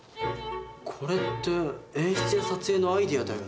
これって演出や撮影のアイデアだよね。